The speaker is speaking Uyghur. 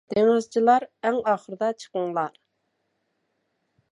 دېڭىزچىلار ئەڭ ئاخىرىدا چىقىڭلار.